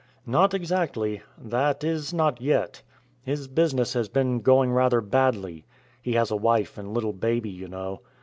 "Not exactly that is not yet. His business has been going rather badly. He has a wife and little baby, you know.